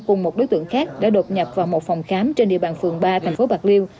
cùng một đối tượng khác đã đột nhập vào một phòng khám trên địa bàn phường ba thành phố bạc liêu